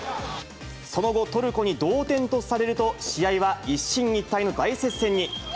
その後、トルコに同点とされると、試合は一進一退の大接戦に。